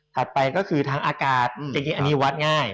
ถัดไปก็คือทางอากาศจริงอันนี้วัดง่าย